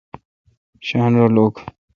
شاین رل اوک۔